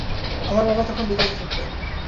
আমার বাবা তখন বিদেশে থাকতেন।